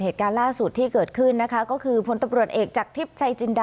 เหตุการณ์ล่าสุดที่เกิดขึ้นนะคะก็คือพลตำรวจเอกจากทิพย์ชัยจินดา